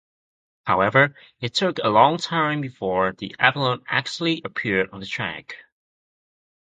However, it took a long time before the Apollon actually appeared on the track.